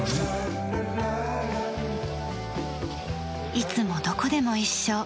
いつもどこでも一緒。